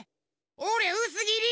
おれうすぎり！